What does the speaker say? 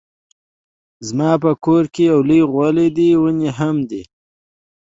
زما په کور کې يو لوی غولی دی ونې هم دي